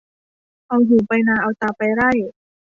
เอาหูไปนาเอาตาไปไร่